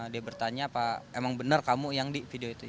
dia bertanya pak emang bener kamu yang di video itu